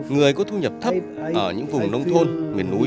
người có thu nhập thấp ở những vùng nông thôn miền núi